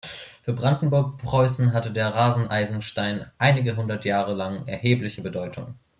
Für Brandenburg-Preußen hatte der Raseneisenstein einige hundert Jahre lang erhebliche Bedeutung.